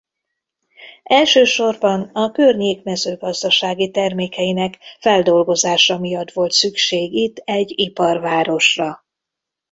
Elsősorban a környék mezőgazdasági termékeinek feldolgozása miatt volt szükség itt egy iparvárosra.